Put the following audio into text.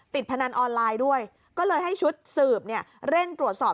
พนันออนไลน์ด้วยก็เลยให้ชุดสืบเนี่ยเร่งตรวจสอบ